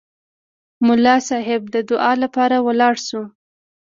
ملا صیب د دعا لپاره ولاړ شو.